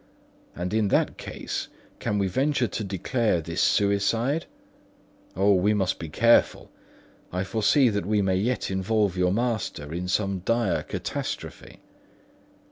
and in that case, can we venture to declare this suicide? O, we must be careful. I foresee that we may yet involve your master in some dire catastrophe."